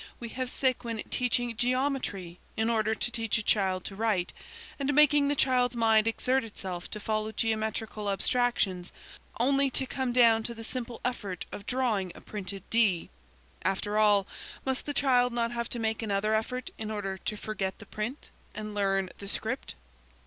We have Séguin teaching geometry in order to teach a child to write; and making the child's mind exert itself to follow geometrical abstractions only to come down to the simple effort of drawing a printed D. After all, must the child not have to make another effort in order to forget the print, and learn the script?